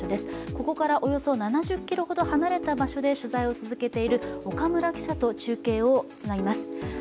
ここからおよそ７０ｋｍほど離れた場所で取材を続けている岡村記者と中継をつなぎます。